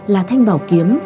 là thanh bảo kiếm